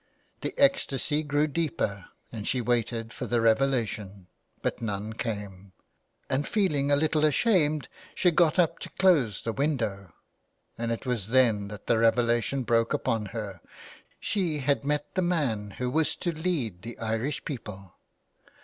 The ecstasy grew deeper, and she waited for the revelation. But none came, and feeling a little ashamed she got up to close the window, and it was then that the revelation broke upon her. She had met the man who was to lead the Irish people